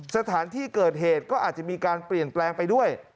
สถานที่เกิดเหตุก็อาจจะมีการเปลี่ยนแปลงไปด้วย